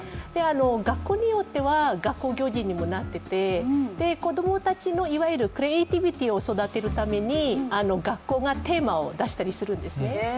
学校によっては学校行事にもなっていて子供たちのいわゆるクリエイティビティーを育てるために、学校がテーマを出したりするんですね。